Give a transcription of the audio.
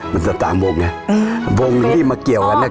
มันเกี่ยวกับ๓บวงบวงที่เร็วมาเกี่ยวอะนี่ก็คือ